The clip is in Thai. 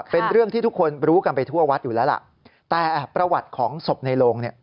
เป็นเรื่องที่ทุกคนรู้กันไปทั่ววัดอยู่แล้วล่ะแต่ประวัติของศพในโรงเนี่ย